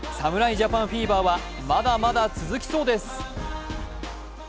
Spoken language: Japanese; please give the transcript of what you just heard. ジャパンフィーバーはまだまだ続きそうです。